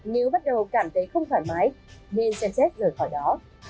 nếu bắt đầu cảm thấy không thoải mái nên xem xét rời khỏi đó